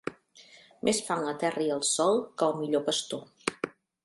Més fan la terra i el sol que el millor pastor.